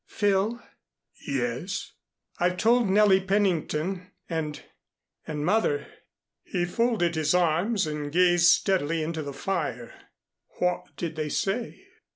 "Phil." "Yes." "I've told Nellie Pennington and and mother." He folded his arms and gazed steadily into the fire. "What did they say?"